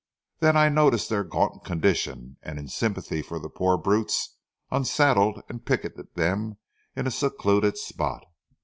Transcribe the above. Then I noticed their gaunted condition, and in sympathy for the poor brutes unsaddled and picketed them in a secluded spot.